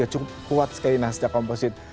cukup kuat sekali nasdaq komposit